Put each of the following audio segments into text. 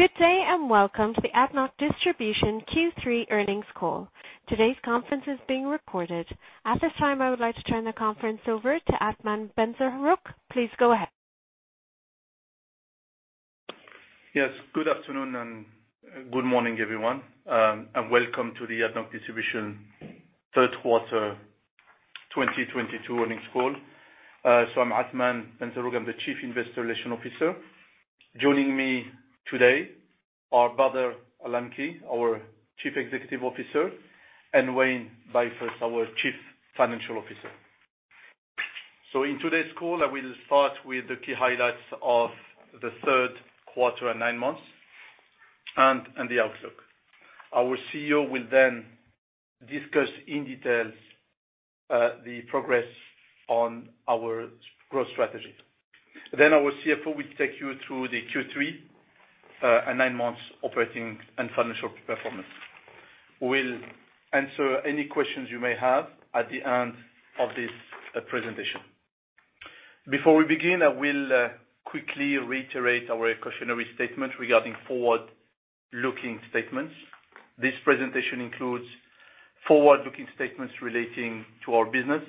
Good day, and welcome to the ADNOC Distribution Q3 Earnings Call. Today's conference is being recorded. At this time, I would like to turn the conference over to Athmane Benzerroug. Please go ahead. Yes, good afternoon and good morning, everyone, and welcome to the ADNOC Distribution Third Quarter 2022 Earnings Call. I'm Athmane Benzerroug. I'm the Chief Investor Relations Officer. Joining me today are Bader Al Lamki, our Chief Executive Officer, and Wayne Beifus, our Chief Financial Officer. In today's call, I will start with the key highlights of the third quarter and nine months and the outlook. Our CEO will then discuss in detail the progress on our growth strategy. Our CFO will take you through the Q3 and nine months operating and financial performance. We'll answer any questions you may have at the end of this presentation. Before we begin, I will quickly reiterate our cautionary statement regarding forward-looking statements. This presentation includes forward-looking statements relating to our business.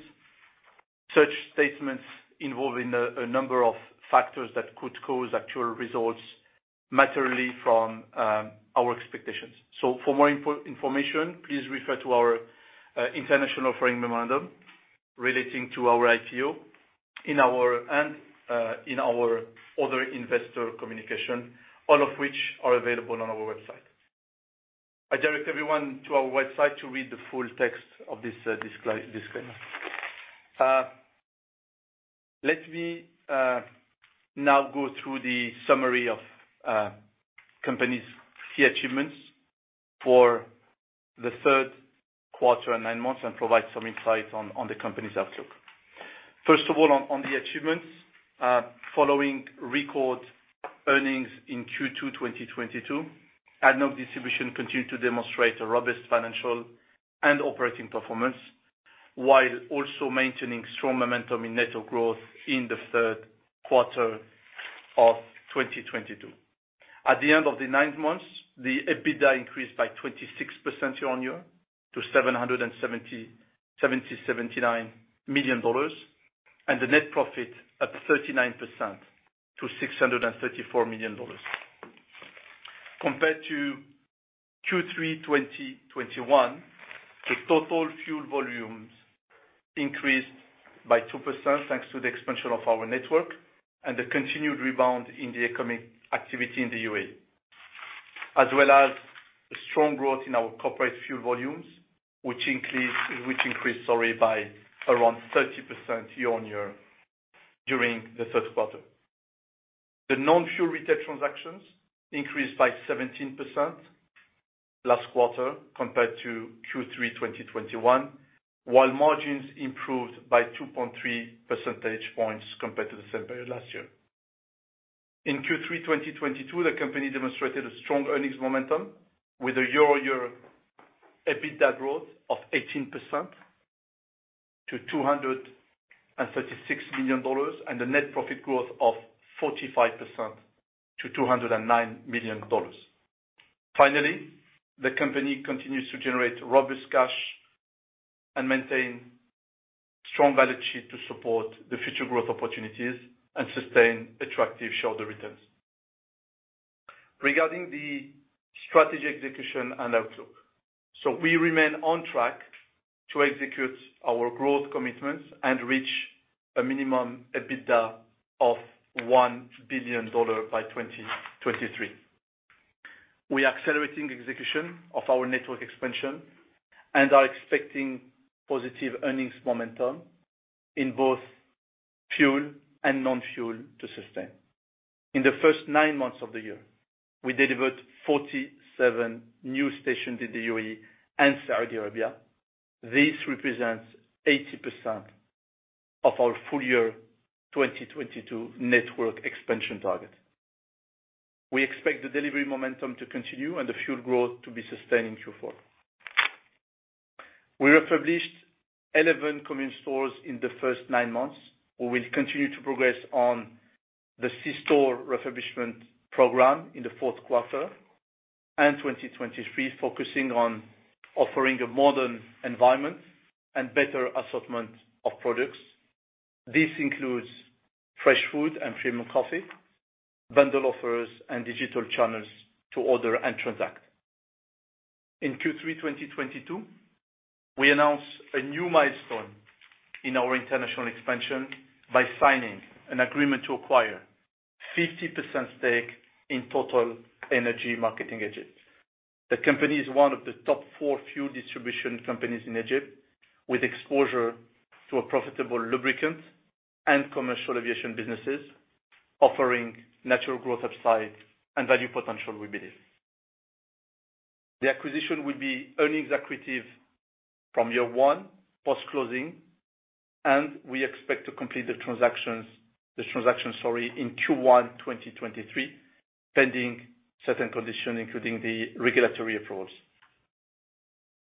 Such statements involving a number of factors that could cause actual results materially from our expectations. For more information, please refer to our international offering memorandum relating to our IPO and in our other investor communication, all of which are available on our website. I direct everyone to our website to read the full text of this disclaimer. Let me now go through the summary of company's key achievements for the third quarter and nine months and provide some insights on the company's outlook. First of all, the achievements, following record earnings in Q2 2022, ADNOC Distribution continued to demonstrate a robust financial and operating performance, while also maintaining strong momentum in network growth in the third quarter of 2022. At the end of the nine months, the EBITDA increased by 26% year-on-year to $779 million, and the net profit up 39% to $634 million. Compared to Q3 2021, the total fuel volumes increased by 2%, thanks to the expansion of our network and the continued rebound in the economic activity in the UA. As well as a strong growth in our corporate fuel volumes, which increased, sorry, by around 30% year-on-year during the third quarter. The non-fuel retail transactions increased by 17% last quarter compared to Q3 2021, while margins improved by 2.3 percentage points compared to the same period last year. In Q3 2022, the company demonstrated a strong earnings momentum with a year-on-year EBITDA growth of 18% to $236 million and a net profit growth of 45% to $209 million. Finally, the company continues to generate robust cash and maintain strong balance sheet to support the future growth opportunities and sustain attractive shareholder returns. Regarding the strategy execution and outlook. We remain on track to execute our growth commitments and reach a minimum EBITDA of $1 billion by 2023. We are accelerating execution of our network expansion and are expecting positive earnings momentum in both fuel and non-fuel to sustain. In the first nine months of the year, we delivered 47 new stations in the UAE and Saudi Arabia. This represents 80% of our full year 2022 network expansion target. We expect the delivery momentum to continue and the fuel growth to be sustained in Q4. We refurbished 11 convenience stores in the first nine months. We will continue to progress on the C-store refurbishment program in the fourth quarter and 2023, focusing on offering a modern environment and better assortment of products. This includes fresh food and premium coffee, bundle offers and digital channels to order and transact. In Q3 2022, we announced a new milestone in our international expansion by signing an agreement to acquire 50% stake in TotalEnergies Marketing Egypt. The company is one of the top four fuel distribution companies in Egypt, with exposure to a profitable lubricant and commercial aviation businesses, offering natural growth upside and value potential. We believe. The acquisition will be earnings accretive from year one post-closing, and we expect to complete the transaction in Q1 2023, pending certain conditions, including the regulatory approvals.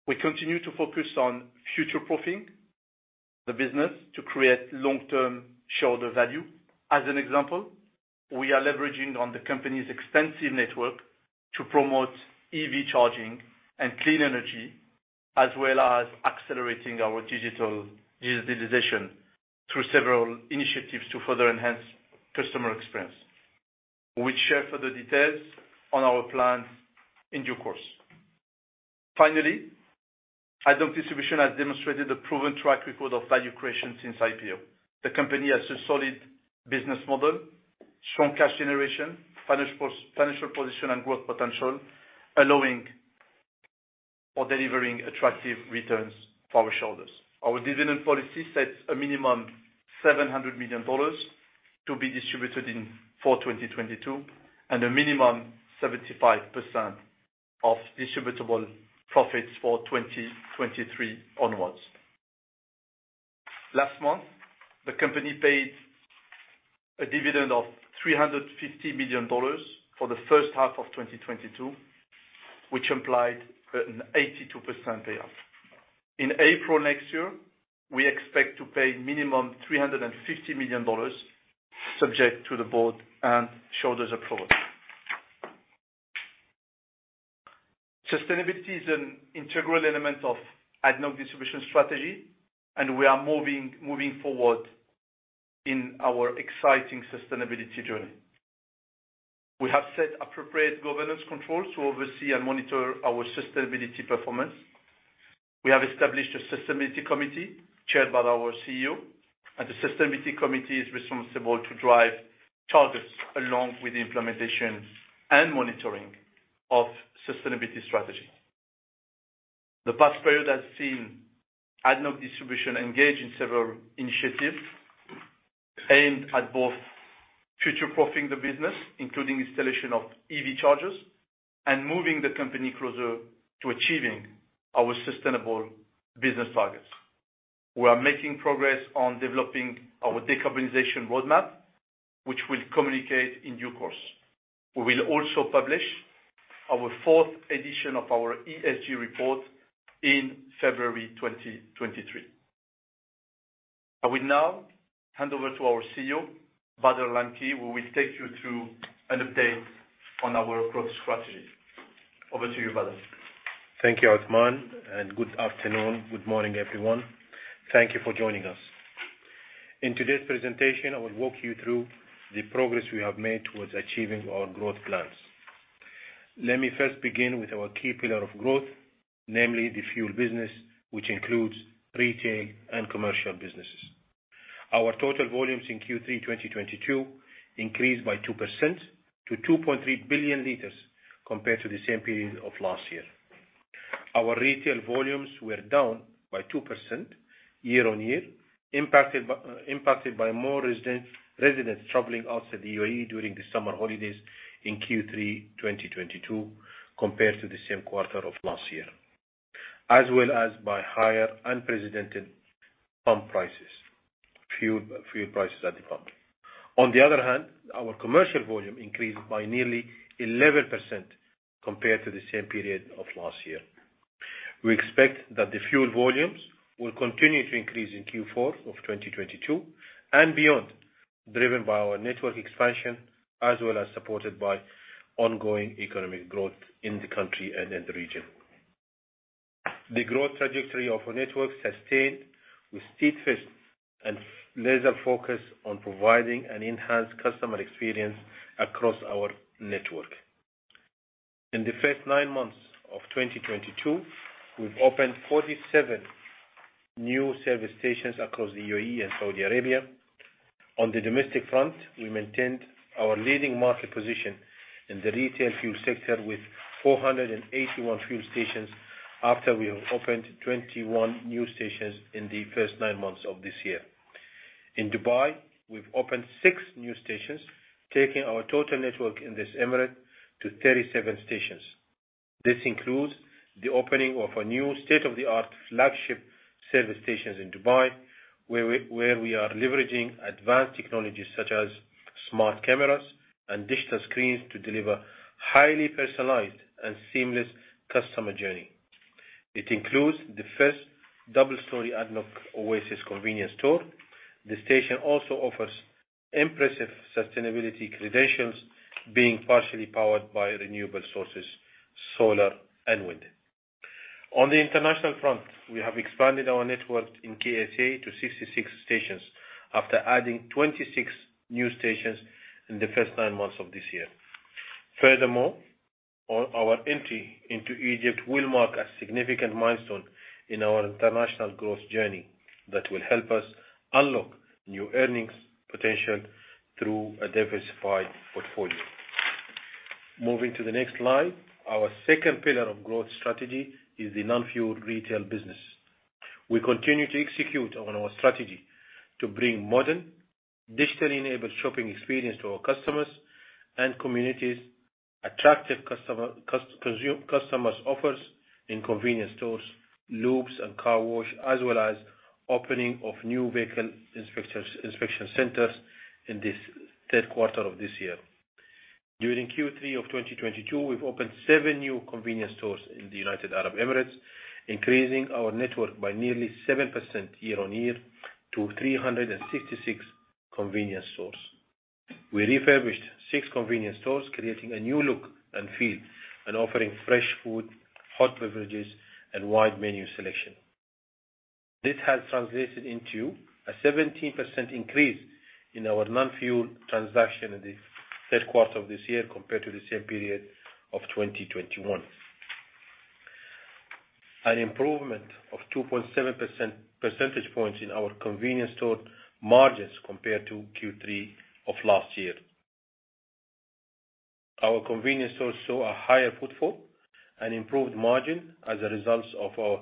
We continue to focus on future-proofing the business to create long-term shareholder value. As an example, we are leveraging on the company's extensive network to promote EV charging and clean energy, as well as accelerating our digitalization through several initiatives to further enhance customer experience. We'll share further details on our plans in due course. Finally, ADNOC Distribution has demonstrated a proven track record of value creation since IPO. The company has a solid business model, strong cash generation, financial position, and growth potential, allowing or delivering attractive returns for our shareholders. Our dividend policy sets a minimum $700 million to be distributed in 2022, and a minimum 75% of distributable profits for 2023 onwards. Last month, the company paid a dividend of $350 million for the first half of 2022, which implied an 82% payout. In April next year, we expect to pay minimum $350 million subject to the board and shareholders' approval. Sustainability is an integral element of ADNOC Distribution strategy, and we are moving forward in our exciting sustainability journey. We have set appropriate governance controls to oversee and monitor our sustainability performance. We have established a sustainability committee chaired by our CEO, and the sustainability committee is responsible to drive targets along with the implementation and monitoring of sustainability strategy. The past period has seen ADNOC Distribution engage in several initiatives aimed at both future-proofing the business, including installation of EV chargers, and moving the company closer to achieving our sustainable business targets. We are making progress on developing our decarbonization roadmap, which we'll communicate in due course. We will also publish our fourth edition of our ESG report in February 2023. I will now hand over to our CEO, Bader Al Lamki, who will take you through an update on our growth strategy. Over to you, Bader. Thank you, Athmane Benzerroug, and good afternoon, good morning, everyone. Thank you for joining us. In today's presentation, I will walk you through the progress we have made towards achieving our growth plans. Let me first begin with our key pillar of growth, namely the fuel business, which includes retail and commercial businesses. Our total volumes in Q3 2022 increased by 2% to 2.3 billion liters compared to the same period of last year. Our retail volumes were down by 2% year-on-year, impacted by more residents traveling outside the UAE during the summer holidays in Q3 2022 compared to the same quarter of last year, as well as by higher unprecedented pump prices, fuel prices at the pump. On the other hand, our commercial volume increased by nearly 11% compared to the same period of last year. We expect that the fuel volumes will continue to increase in Q4 of 2022 and beyond, driven by our network expansion, as well as supported by ongoing economic growth in the country and in the region. The growth trajectory of our network sustained with steadfast and laser focus on providing an enhanced customer experience across our network. In the first nine months of 2022, we've opened 47 new service stations across the UAE and Saudi Arabia. On the domestic front, we maintained our leading market position in the retail fuel sector with 481 fuel stations after we have opened 21 new stations in the first nine months of this year. In Dubai, we've opened six new stations, taking our total network in this emirate to 37 stations. This includes the opening of a new state-of-the-art flagship service stations in Dubai, where we are leveraging advanced technologies such as smart cameras and digital screens to deliver highly personalized and seamless customer journey. It includes the first double-story ADNOC Oasis convenience store. The station also offers impressive sustainability credentials being partially powered by renewable sources, solar and wind. On the international front, we have expanded our network in KSA to 66 stations after adding 26 new stations in the first nine months of this year. Our entry into Egypt will mark a significant milestone in our international growth journey that will help us unlock new earnings potential through a diversified portfolio. Moving to the next slide, our second pillar of growth strategy is the non-fuel retail business. We continue to execute on our strategy to bring modern, digitally enabled shopping experience to our customers and communities, attractive customer offers in convenience stores, lubricants and car wash, as well as opening of new vehicle inspection centers in this third quarter of this year. During Q3 of 2022, we've opened seven new convenience stores in the United Arab Emirates, increasing our network by nearly 7% year-on-year to 366 convenience stores. We refurbished six convenience stores, creating a new look and feel, and offering fresh food, hot beverages, and wide menu selection. This has translated into a 17% increase in our non-fuel transaction in the third quarter of this year compared to the same period of 2021. An improvement of 2.7 percentage points in our convenience store margins compared to Q3 of last year. Our convenience stores saw a higher footfall and improved margin as a result of our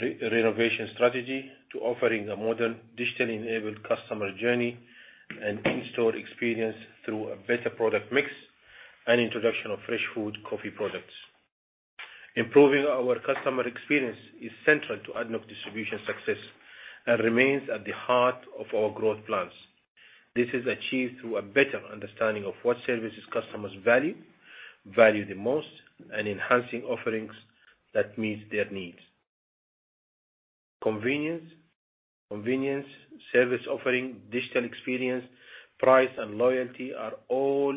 re-renovation strategy to offering a modern, digitally-enabled customer journey and in-store experience through a better product mix and introduction of fresh food coffee products. Improving our customer experience is central to ADNOC Distribution success and remains at the heart of our growth plans. This is achieved through a better understanding of what services customers value the most, and enhancing offerings that meets their needs. Convenience, service offering, digital experience, price, and loyalty are all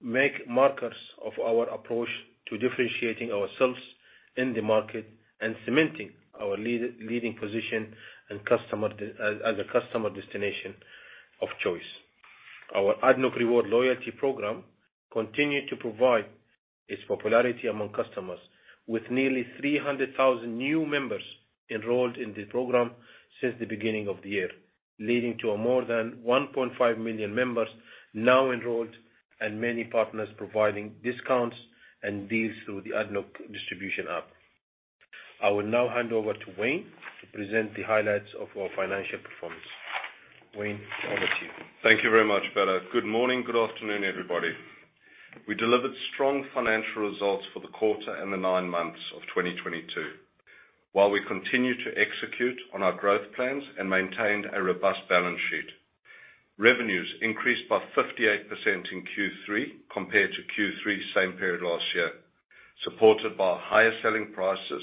key markers of our approach to differentiating ourselves in the market and cementing our leading position as a customer destination of choice. Our ADNOC Rewards loyalty program continued to prove its popularity among customers with nearly 300,000 new members enrolled in the program since the beginning of the year, leading to more than 1.5 million members now enrolled and many partners providing discounts and deals through the ADNOC Distribution app. I will now hand over to Wayne to present the highlights of our financial performance. Wayne, over to you. Thank you very much, Bader Al Lamki. Good morning, good afternoon, everybody. We delivered strong financial results for the quarter and the nine months of 2022, while we continued to execute on our growth plans and maintained a robust balance sheet. Revenues increased by 58% in Q3 compared to Q3 same period last year, supported by higher selling prices,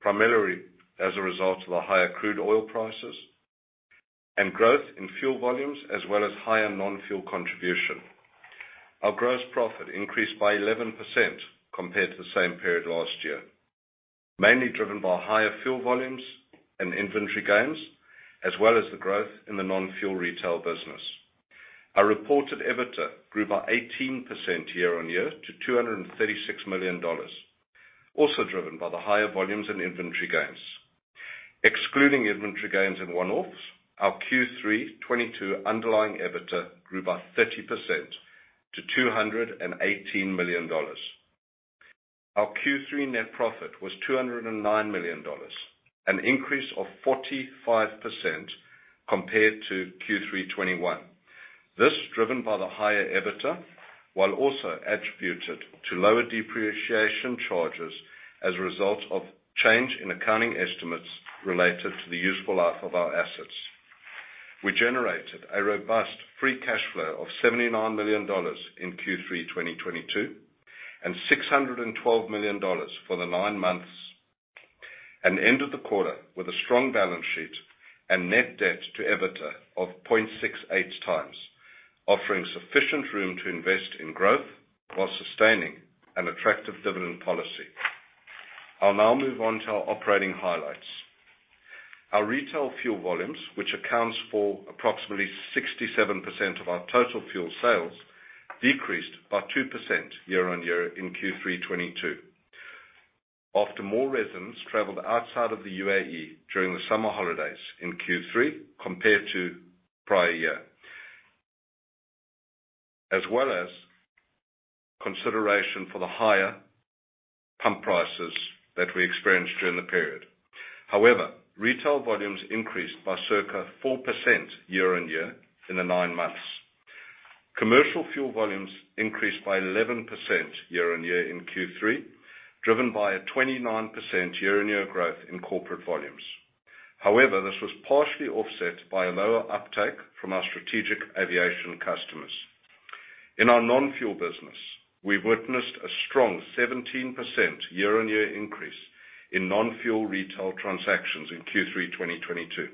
primarily as a result of the higher crude oil prices, and growth in fuel volumes, as well as higher non-fuel contribution. Our gross profit increased by 11% compared to the same period last year, mainly driven by higher fuel volumes and inventory gains, as well as the growth in the non-fuel retail business. Our reported EBITDA grew by 18% year-on-year to $236 million, also driven by the higher volumes in inventory gains. Excluding inventory gains and one-offs, our Q3 2022 underlying EBITDA grew by 30% to $218 million. Our Q3 net profit was $209 million, an increase of 45% compared to Q3 2021. This, driven by the higher EBITDA, while also attributed to lower depreciation charges as a result of change in accounting estimates related to the useful life of our assets. We generated a robust free cash flow of $79 million in Q3 2022, and $612 million for the nine months, and ended the quarter with a strong balance sheet and net debt to EBITDA of 0.68x, offering sufficient room to invest in growth while sustaining an attractive dividend policy. I'll now move on to our operating highlights. Our retail fuel volumes, which accounts for approximately 67% of our total fuel sales, decreased by 2% year-on-year in Q3 2022, after more residents traveled outside of the UAE during the summer holidays in Q3 compared to prior year, as well as consideration for the higher pump prices that we experienced during the period. However, retail volumes increased by circa 4% year-on-year in the nine months. Commercial fuel volumes increased by 11% year-on-year in Q3, driven by a 29% year-on-year growth in corporate volumes. However, this was partially offset by a lower uptake from our strategic aviation customers. In our non-fuel business, we've witnessed a strong 17% year-on-year increase in non-fuel retail transactions in Q3 2022.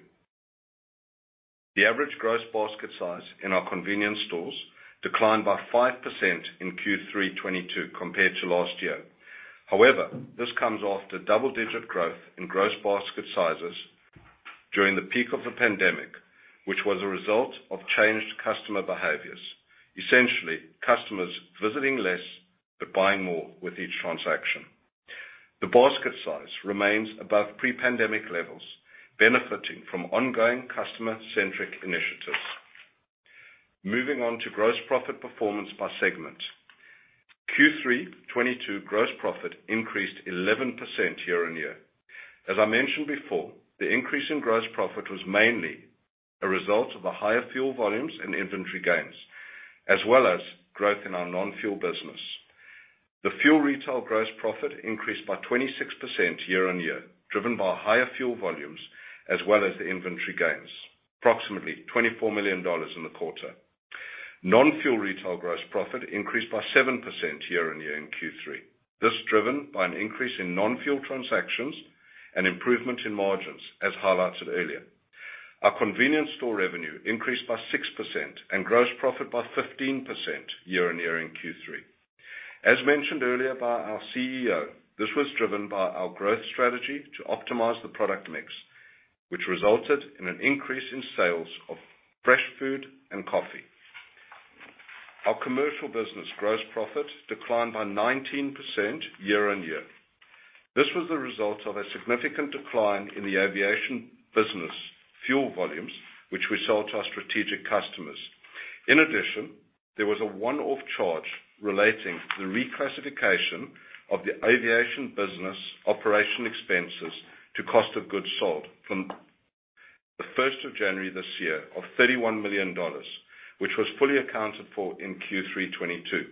The average gross basket size in our convenience stores declined by 5% in Q3 2022 compared to last year. However, this comes after double-digit growth in gross basket sizes during the peak of the pandemic, which was a result of changed customer behaviors. Essentially, customers visiting less but buying more with each transaction. The basket size remains above pre-pandemic levels, benefiting from ongoing customer-centric initiatives. Moving on to gross profit performance by segment. Q3 2022 gross profit increased 11% year-on-year. As I mentioned before, the increase in gross profit was mainly a result of the higher fuel volumes and inventory gains, as well as growth in our non-fuel business. The fuel retail gross profit increased by 26% year-on-year, driven by higher fuel volumes as well as the inventory gains, approximately $24 million in the quarter. Non-fuel retail gross profit increased by 7% year-on-year in Q3. This driven by an increase in non-fuel transactions and improvement in margins, as highlighted earlier. Our convenience store revenue increased by 6% and gross profit by 15% year-on-year in Q3. As mentioned earlier by our CEO, this was driven by our growth strategy to optimize the product mix, which resulted in an increase in sales of fresh food and coffee. Our commercial business gross profit declined by 19% year-on-year. This was the result of a significant decline in the aviation business fuel volumes, which we sell to our strategic customers. In addition, there was a one-off charge relating to the reclassification of the aviation business operating expenses to cost of goods sold from the first of January this year of $31 million, which was fully accounted for in Q3 2022.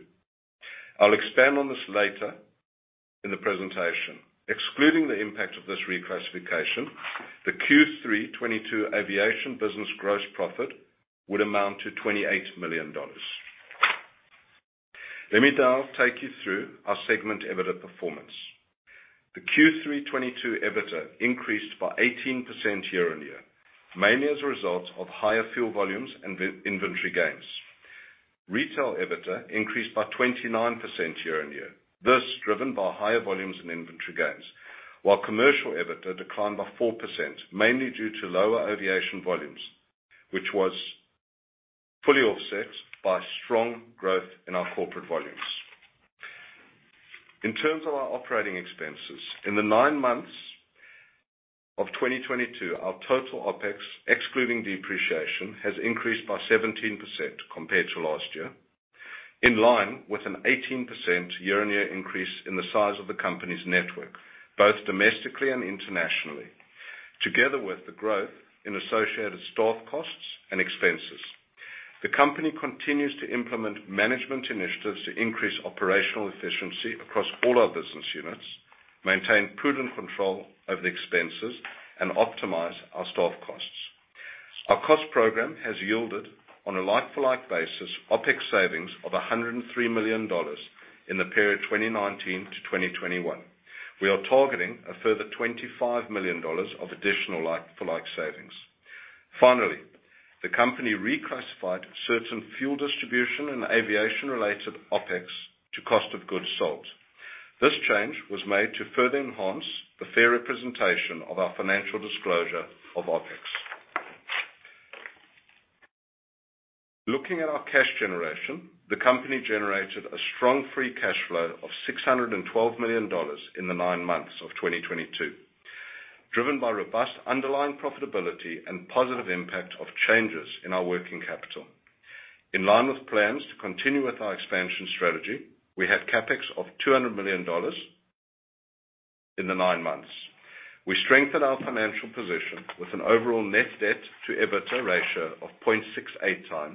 I'll expand on this later in the presentation. Excluding the impact of this reclassification, the Q3 2022 aviation business gross profit would amount to $28 million. Let me now take you through our segment EBITDA performance. The Q3 2022 EBITDA increased by 18% year-on-year, mainly as a result of higher fuel volumes and inventory gains. Retail EBITDA increased by 29% year-on-year. This driven by higher volumes and inventory gains, while commercial EBITDA declined by 4%, mainly due to lower aviation volumes, which was fully offset by strong growth in our corporate volumes. In terms of our operating expenses, in the nine months of 2022, our total OpEx, excluding depreciation, has increased by 17% compared to last year, in line with an 18% year-on-year increase in the size of the company's network, both domestically and internationally, together with the growth in associated staff costs and expenses. The company continues to implement management initiatives to increase operational efficiency across all our business units, maintain prudent control over the expenses, and optimize our staff costs. Our cost program has yielded on a like for like basis OpEx savings of $103 million in the period 2019 to 2021. We are targeting a further $25 million of additional like for like savings. Finally, the company reclassified certain fuel distribution and aviation related OpEx to cost of goods sold. This change was made to further enhance the fair representation of our financial disclosure of OpEx. Looking at our cash generation, the company generated a strong free cash flow of $612 million in the nine months of 2022, driven by robust underlying profitability and positive impact of changes in our working capital. In line with plans to continue with our expansion strategy, we had CapEx of $200 million in the nine months. We strengthened our financial position with an overall net debt to EBITDA ratio of 0.68x,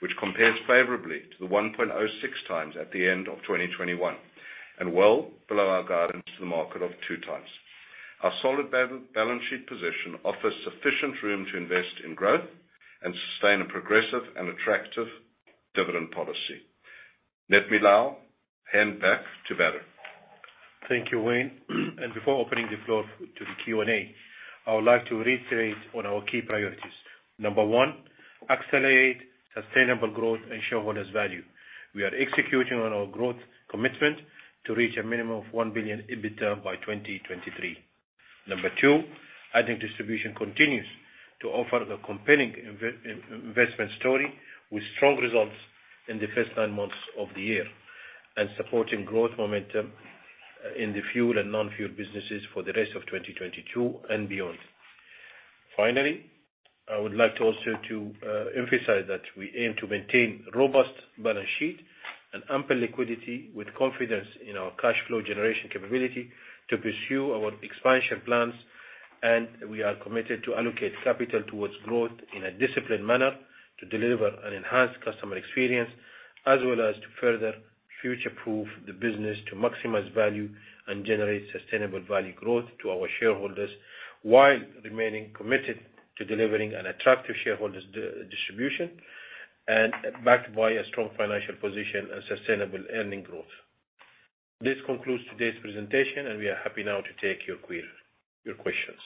which compares favorably to the 1.06x at the end of 2021, and well below our guidance to the market of 2x. Our solid balance sheet position offers sufficient room to invest in growth and sustain a progressive and attractive dividend policy. Let me now hand back to Bader. Thank you, Wayne. Before opening the floor to the Q&A, I would like to reiterate on our key priorities. Number one, accelerate sustainable growth and shareholders value. We are executing on our growth commitment to reach a minimum of 1 billion EBITDA by 2023. Number two, ADNOC Distribution continues to offer the compelling investment story with strong results in the first nine months of the year and supporting growth momentum in the fuel and non-fuel businesses for the rest of 2022 and beyond. Finally, I would like also to emphasize that we aim to maintain robust balance sheet and ample liquidity with confidence in our cash flow generation capability to pursue our expansion plans. We are committed to allocate capital towards growth in a disciplined manner to deliver an enhanced customer experience, as well as to further future-proof the business to maximize value and generate sustainable value growth to our shareholders, while remaining committed to delivering an attractive shareholder distribution and backed by a strong financial position and sustainable earnings growth. This concludes today's presentation, and we are happy now to take your query, your questions.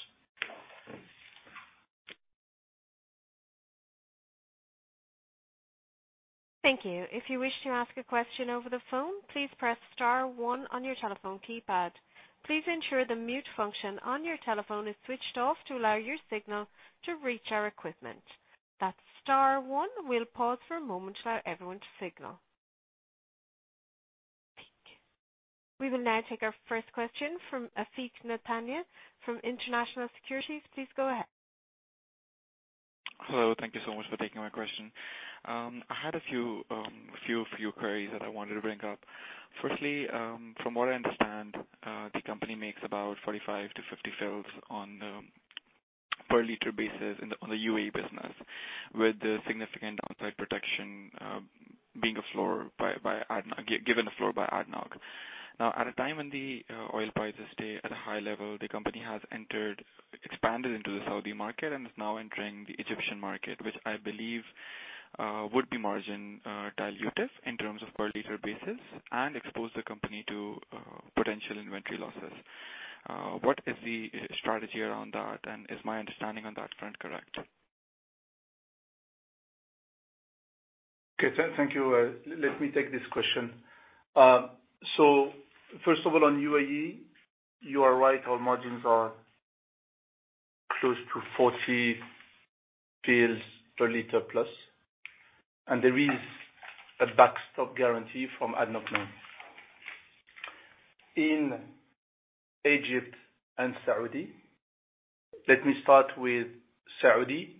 Thank you. If you wish to ask a question over the phone, please press star one on your telephone keypad. Please ensure the mute function on your telephone is switched off to allow your signal to reach our equipment. That's star one. We'll pause for a moment to allow everyone to signal. We will now take our first question from Afiq Nathani from International Securities. Please go ahead. Hello. Thank you so much for taking my question. I had a few queries that I wanted to bring up. Firstly, from what I understand, the company makes about 45-50 fils on per liter basis in the UAE business with the significant downside protection being given a floor by ADNOC. Now, at a time when the oil prices stay at a high level, the company has expanded into the Saudi market and is now entering the Egyptian market, which I believe would be margin dilutive in terms of per liter basis and expose the company to potential inventory losses. What is the strategy around that, and is my understanding on that front correct? Thank you. Let me take this question. First of all, on UAE, you are right, our margins are close to 0.40+ per liter, and there is a backstop guarantee from ADNOC now. In Egypt and Saudi, let me start with Saudi.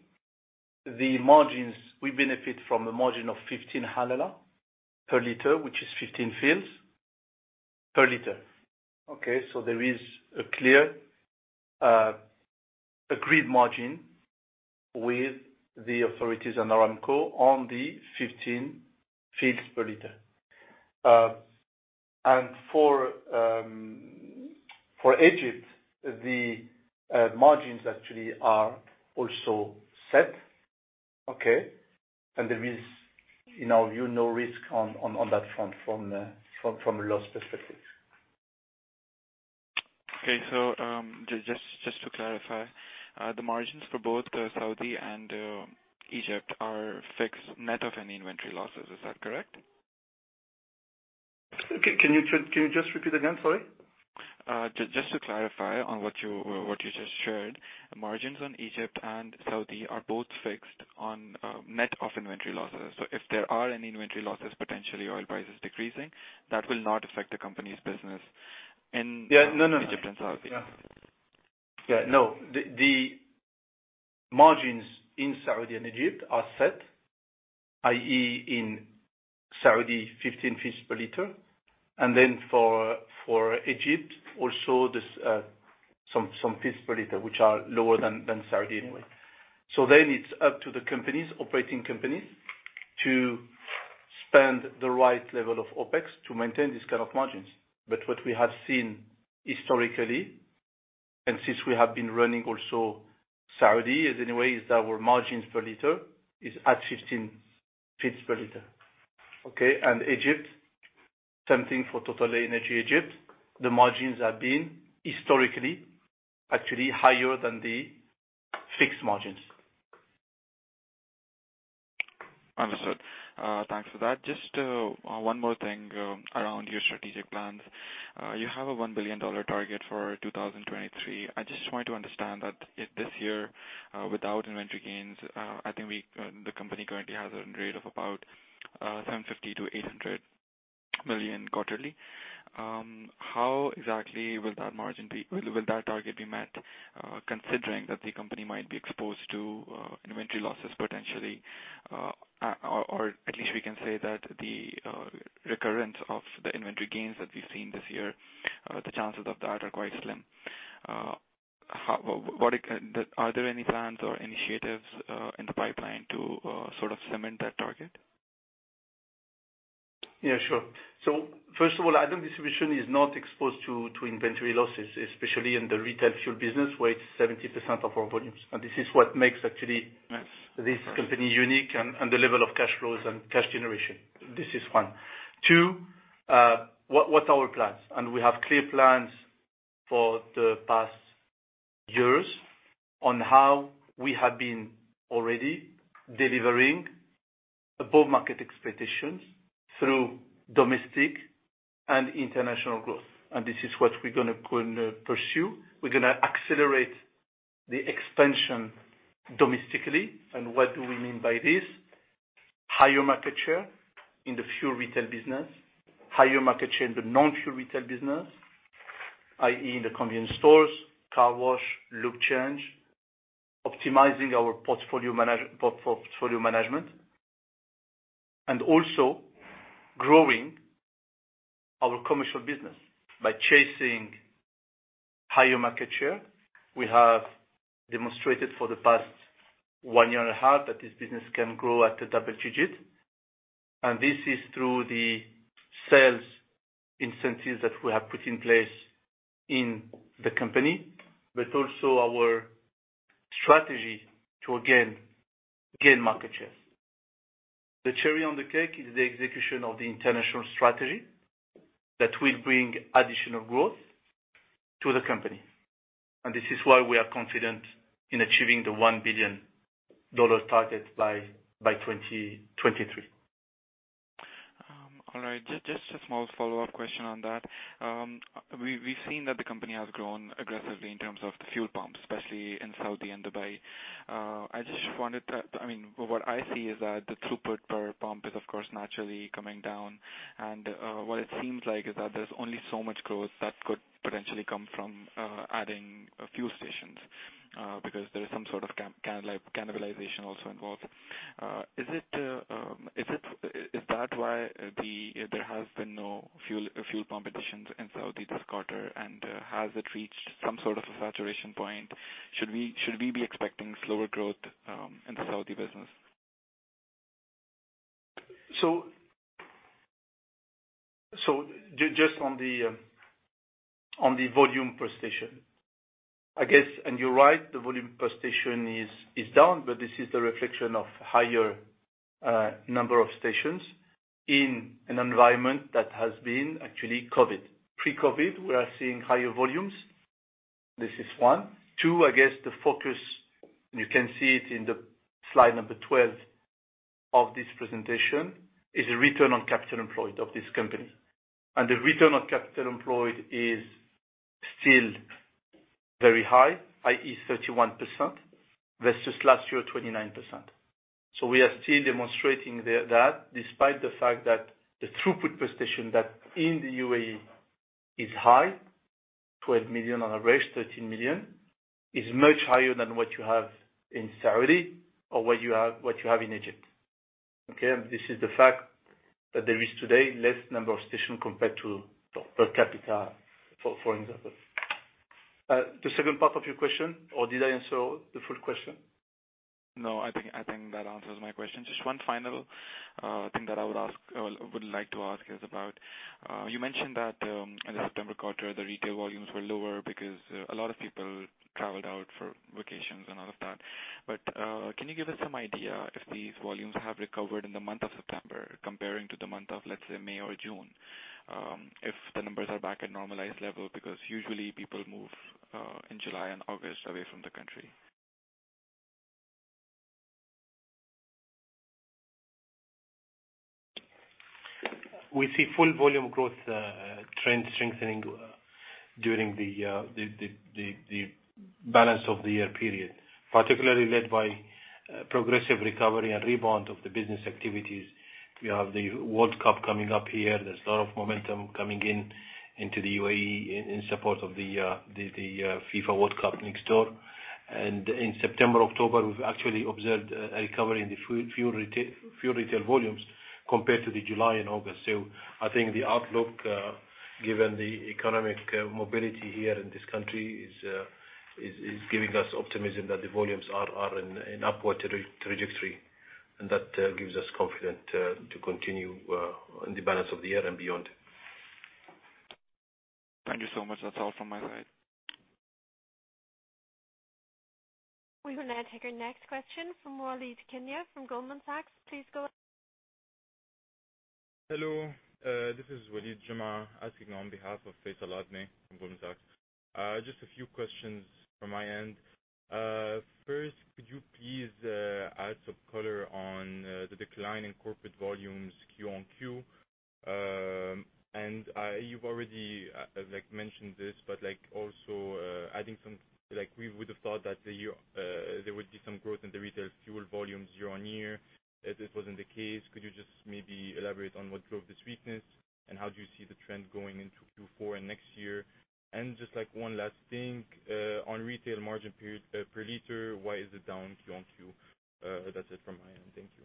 The margins, we benefit from a margin of 0.15 per liter, which is 0.15 per liter. Okay, so there is a clear agreed margin with the authorities and Aramco on the AED 0.15 per liter. For Egypt, the margins actually are also set, okay? There is, in our view, no risk on that front from a loss perspective. Okay. Just to clarify, the margins for both Saudi and Egypt are fixed net of any inventory losses. Is that correct? Can you just repeat again, sorry? Just to clarify on what you just shared, margins on Egypt and Saudi are both fixed on net of inventory losses. If there are any inventory losses, potentially oil prices decreasing, that will not affect the company's business in- Yeah. No, no. Egypt and Saudi. No, the margins in Saudi and Egypt are set, i.e., in Saudi, 15 per liter. For Egypt also there's some fils per liter, which are lower than Saudi anyway. It's up to the companies, operating companies to spend the right level of OpEx to maintain this kind of margins. What we have seen historically, and since we have been running also Saudi is anyway, is our margins per liter is at 15 per liter. Okay? Egypt, same thing for TotalEnergies Marketing Egypt. The margins have been historically actually higher than the fixed margins. Understood. Thanks for that. Just one more thing around your strategic plans. You have a $1 billion target for 2023. I just want to understand that if this year without inventory gains I think the company currently has a rate of about $750 million-$800 million quarterly. How exactly will that margin be? Will that target be met considering that the company might be exposed to inventory losses potentially? Or at least we can say that the recurrence of the inventory gains that we've seen this year the chances of that are quite slim. Are there any plans or initiatives in the pipeline to sort of cement that target? Yeah, sure. First of all, ADNOC Distribution is not exposed to inventory losses, especially in the retail fuel business, where it's 70% of our volumes. This is what makes actually this company unique and the level of cash flows and cash generation. This is one. Two, what's our plans? We have clear plans for the past years on how we have been already delivering above market expectations through domestic and international growth. This is what we're gonna pursue. We're gonna accelerate the expansion domestically. What do we mean by this? Higher market share in the fuel retail business, higher market share in the non-fuel retail business, i.e., in the convenience stores, car wash, lube change, optimizing our portfolio management. Also growing our commercial business by chasing higher market share. We have demonstrated for the past one year and a half that this business can grow at a double-digit. This is through the sales incentives that we have put in place in the company, but also our strategy to again gain market share. The cherry on the cake is the execution of the international strategy that will bring additional growth to the company. This is why we are confident in achieving the $1 billion target by 2023. Just a small follow-up question on that. We've seen that the company has grown aggressively in terms of the fuel pumps, especially in Saudi and Dubai. I just wanted to. I mean, what I see is that the throughput per pump is of course naturally coming down. What it seems like is that there's only so much growth that could potentially come from adding a few stations because there is some sort of like cannibalization also involved. Is that why there has been no fuel pump additions in Saudi this quarter? Has it reached some sort of a saturation point? Should we be expecting slower growth in the Saudi business? Just on the volume per station. I guess, and you're right, the volume per station is down, but this is the reflection of higher number of stations in an environment that has actually been COVID. Pre-COVID, we are seeing higher volumes. This is one. Two, I guess the focus, and you can see it in the slide number 12 of this presentation, is a Return on Capital Employed of this company. The Return on Capital Employed is still very high, i.e., 31% versus last year, 29%. We are still demonstrating that despite the fact that the throughput per station in the UAE is high, 12 million on average, 13 million, is much higher than what you have in Saudi or what you have in Egypt, okay? This is the fact that there is today less number of stations compared to the per capita, for example. The second part of your question, or did I answer the full question? No, I think that answers my question. Just one final thing that I would ask or would like to ask is about, you mentioned that, in the September quarter, the retail volumes were lower because a lot of people traveled out for vacations and all of that. But can you give us some idea if these volumes have recovered in the month of September comparing to the month of, let's say, May or June? If the numbers are back at normalized level, because usually people move in July and August away from the country. We see full volume growth trend strengthening during the balance of the year period, particularly led by progressive recovery and rebound of the business activities. We have the World Cup coming up here. There's a lot of momentum coming into the UAE in support of the FIFA World Cup next door. In September, October, we've actually observed a recovery in the fuel retail volumes compared to July and August. I think the outlook given the economic mobility here in this country is giving us optimism that the volumes are in upward trajectory, and that gives us confidence to continue in the balance of the year and beyond. Thank you so much. That's all from my side. We will now take our next question from Waleed Jimma from Goldman Sachs. Please go ahead. Hello, this is Waleed Jimma asking on behalf of Faisal Azmeh from Goldman Sachs. Just a few questions from my end. First, could you please add some color on the decline in corporate volumes Q-on-Q? You've already like mentioned this, but like also, we would have thought that this year there would be some growth in the retail fuel volumes year-over-year. If this wasn't the case, could you just maybe elaborate on what drove this weakness and how do you see the trend going into Q4 and next year? Just like one last thing on retail margin per liter, why is it down Q-on-Q? That's it from my end. Thank you.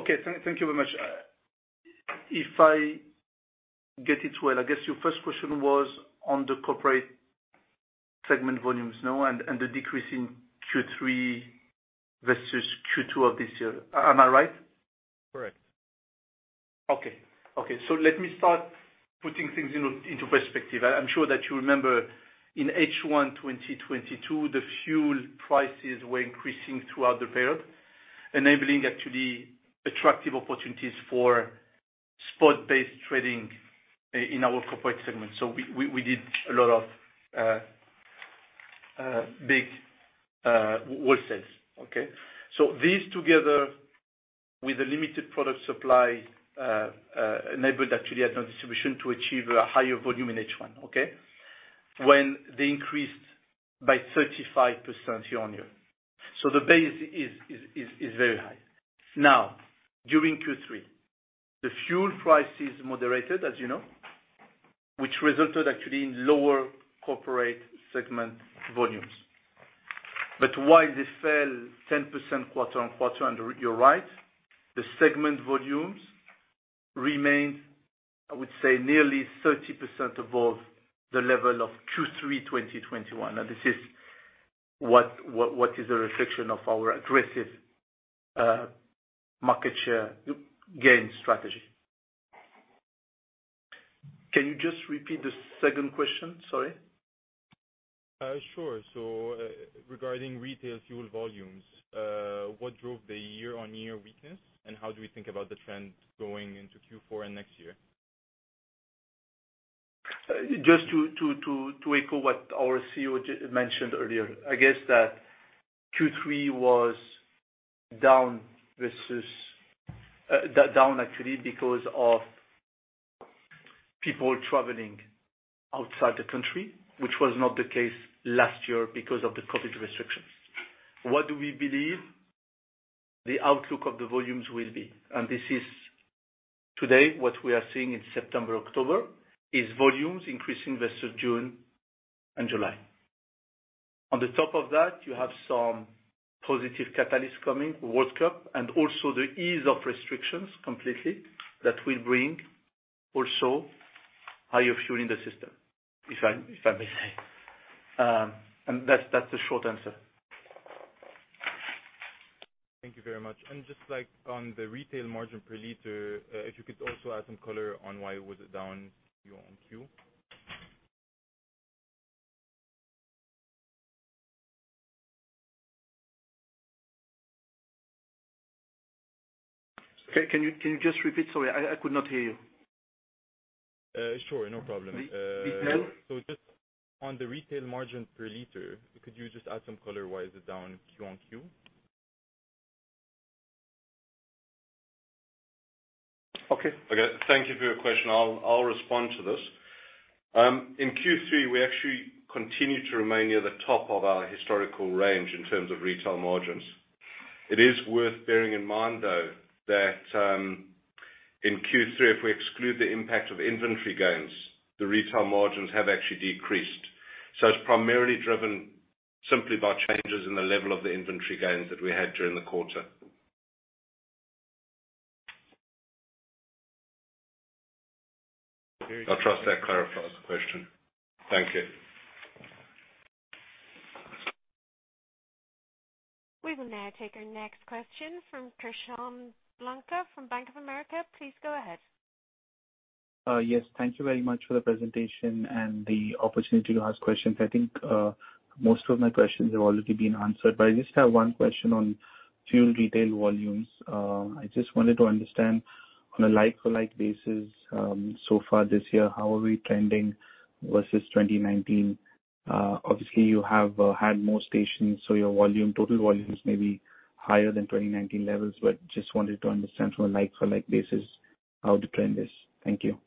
Okay. Thank you very much. If I get it well, I guess your first question was on the corporate segment volumes, no? The decrease in Q3 versus Q2 of this year. Am I right? Correct. Okay. Let me start putting things into perspective. I'm sure that you remember in H1 2022, the fuel prices were increasing throughout the period, enabling actually attractive opportunities for spot-based trading in our corporate segment. We did a lot of big wholesales. Okay? These together with a limited product supply enabled actually ADNOC Distribution to achieve a higher volume in H1, okay? When they increased by 35% year-on-year. The base is very high. Now, during Q3, the fuel prices moderated, as you know, which resulted actually in lower corporate segment volumes. While they fell 10% quarter-on-quarter, and you're right, the segment volumes remained, I would say, nearly 30% above the level of Q3 2021. Now this is what is a reflection of our aggressive market share gain strategy. Can you just repeat the second question? Sorry. Sure. Regarding retail fuel volumes, what drove the year-on-year weakness, and how do we think about the trend going into Q4 and next year? Just to echo what our CEO mentioned earlier, I guess that Q3 was down versus down actually because of people traveling outside the country, which was not the case last year because of the COVID restrictions. What do we believe? The outlook of the volumes will be. This is today, what we are seeing in September, October, is volumes increasing versus June and July. On top of that, you have some positive catalyst coming, World Cup, and also the ease of restrictions completely that will bring also higher fuel in the system, if I may say. That's the short answer. Thank you very much. Just like on the retail margin per liter, if you could also add some color on why it was down quarter-over-quarter. Can you just repeat? Sorry, I could not hear you. Sure, no problem. Retail. Just on the retail margin per liter, could you just add some color why is it down Q on Q? Okay. Okay. Thank you for your question. I'll respond to this. In Q3, we actually continued to remain near the top of our historical range in terms of retail margins. It is worth bearing in mind, though, that, in Q3, if we exclude the impact of inventory gains, the retail margins have actually decreased. It's primarily driven simply by changes in the level of the inventory gains that we had during the quarter. I'll trust that clarifies the question. Thank you. We will now take our next question from Sashank Lanka from Bank of America. Please go ahead. Yes. Thank you very much for the presentation and the opportunity to ask questions. I think, most of my questions have already been answered, but I just have one question on fuel retail volumes. I just wanted to understand on a like-for-like basis, so far this year, how are we trending versus 2019? Obviously you have had more stations, so your volume, total volume is maybe higher than 2019 levels. Just wanted to understand from a like-for-like basis how the trend is. Thank you.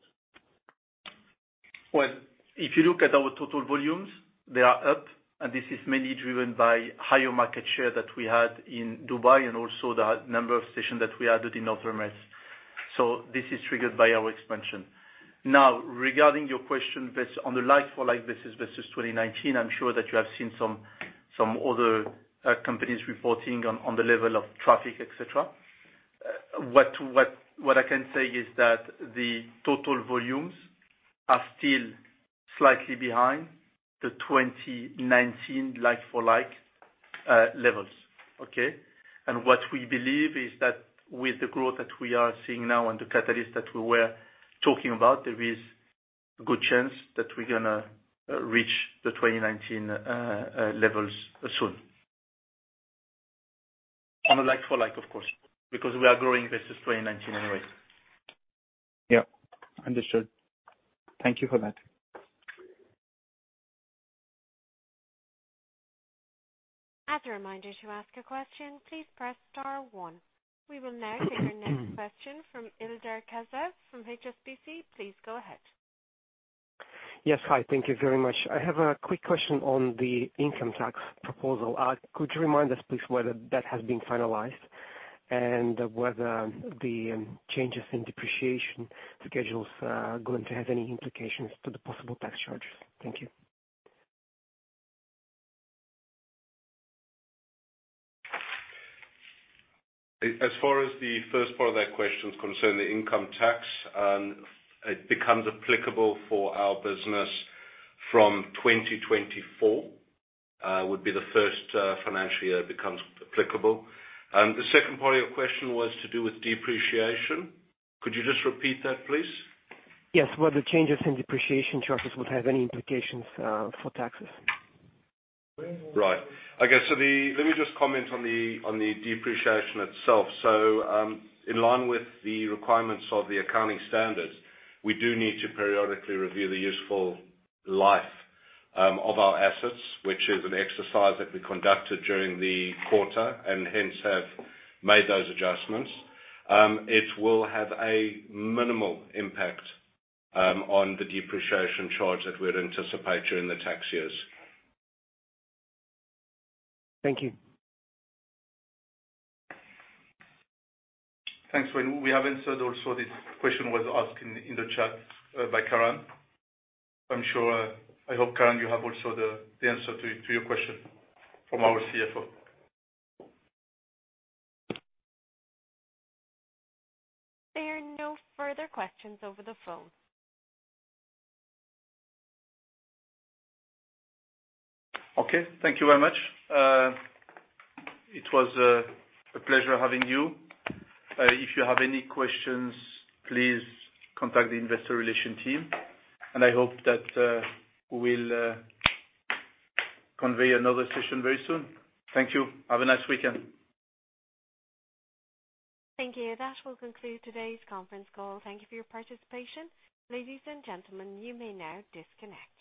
Well, if you look at our total volumes, they are up, and this is mainly driven by higher market share that we had in Dubai and also the number of stations that we added in North Emirates. This is triggered by our expansion. Now, regarding your question versus on a like-for-like basis versus 2019, I'm sure that you have seen some other companies reporting on the level of traffic, et cetera. What I can say is that the total volumes are still slightly behind the 2019 like-for-like levels. Okay. What we believe is that with the growth that we are seeing now and the catalyst that we were talking about, there is a good chance that we're gonna reach the 2019 levels soon. On a like-for-like, of course, because we are growing versus 2019 anyway. Yeah. Understood. Thank you for that. As a reminder, to ask a question, please press star one. We will now take our next question from Ildar Khaziev from HSBC. Please go ahead. Yes. Hi. Thank you very much. I have a quick question on the income tax proposal. Could you remind us, please, whether that has been finalized and whether the changes in depreciation schedules are going to have any implications to the possible tax charges? Thank you. As far as the first part of that question is concerned, the income tax, it becomes applicable for our business from 2024, would be the first, financial year it becomes applicable. The second part of your question was to do with depreciation. Could you just repeat that, please? Yes. Whether changes in depreciation charges would have any implications for taxes? Right. Okay. Let me just comment on the depreciation itself. In line with the requirements of the accounting standards, we do need to periodically review the useful life of our assets, which is an exercise that we conducted during the quarter and hence have made those adjustments. It will have a minimal impact on the depreciation charge that we'd anticipate during the tax years. Thank you. Thanks. When we have answered also this question was asked in the chat by Karan. I'm sure, I hope, Karan, you have also the answer to your question from our CFO. There are no further questions over the phone. Okay. Thank you very much. It was a pleasure having you. If you have any questions, please contact the investor relations team, and I hope that we'll convene another session very soon. Thank you. Have a nice weekend. Thank you. That will conclude today's conference call. Thank you for your participation. Ladies and gentlemen, you may now disconnect.